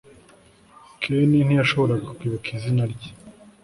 Ken ntiyashoboraga kwibuka izina rye